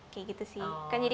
kayak gitu sih